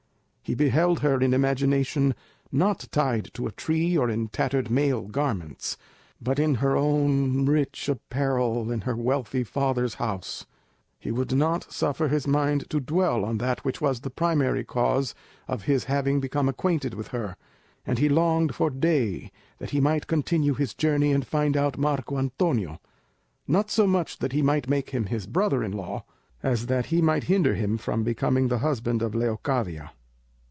He beheld her in imagination, not tied to a tree, or in tattered male garments, but in her own rich apparel in her wealthy father's house. He would not suffer his mind to dwell on that which was the primary cause of his having become acquainted with her; and he longed for day that he might continue his journey and find out Marco Antonio, not so much that he might make him his brother in law, as that he might hinder him from becoming the husband of Leocadia.